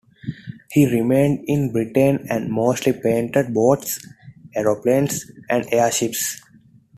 He remained in Britain and mostly painted boats, aeroplanes and airships.